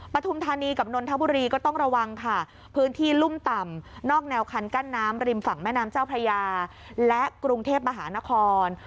ปฐุมธานีกับนนทบุรีก็ต้องระวังค่ะพื้นที่รุ่มต่ำนอกแนวคันกั้นน้ำริมฝั่งแม่น้ำเจ้าพระยาและกรุงเทพมหานคร